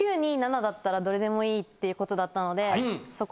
９２７だったらどれでもいいってことだったので。